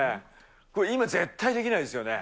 これ、今、絶対できないですよね。